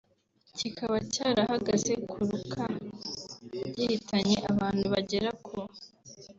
kikaba cyarahagaze kuruka gihitanye abantu bagera ku